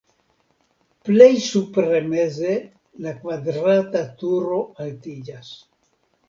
Plej supre meze la kvadrata turo altiĝas.